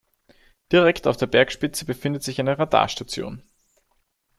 Direkt auf der Bergspitze befindet sich eine Radarstation.